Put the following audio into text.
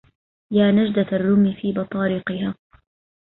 يا نجدة الروم في بطارقها